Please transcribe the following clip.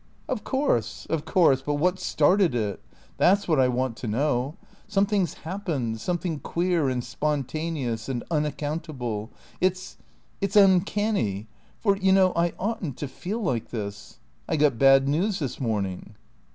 "Of course, of course. But what started it? That's what I want to know. Something's happened. Something queer and spontaneous and unaccountable. It's it's uncanny. For, you know, I oughtn't to feel like this. I got bad news this morning."